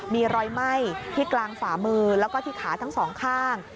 มีรอยไหม้ที่กลางฝ่ามือแล้วก็ที่ขาทั้งสองข้าง